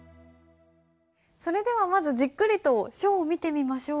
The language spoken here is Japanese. それではまずじっくりと書を見てみましょう。